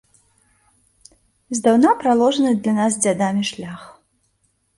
Здаўна праложаны для нас дзядамі шлях.